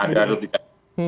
ada atau tidak